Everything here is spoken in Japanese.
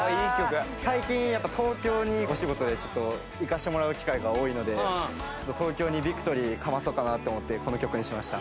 最近やっぱ東京にお仕事でちょっと行かせてもらう機会が多いので東京にＶＩＣＴＯＲＹかまそうかなって思ってこの曲にしました。